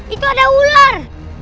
itu ada ular